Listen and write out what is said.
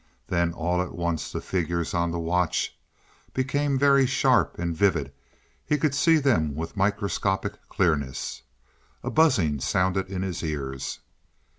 Then all at once the figures on the watch became very sharp and vivid; he could see them with microscopic clearness. A buzzing sounded in his ears.